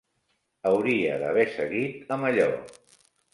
Hauria d'haver seguit amb allò.